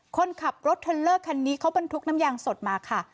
คนขับรถเทลเลอร์คันนี้เขาบรรทุกน้ำยางสดมาค่ะ